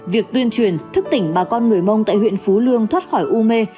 việc tuyên truyền thức tỉnh bà con người mông tại huyện phú lương thoát khỏi u mê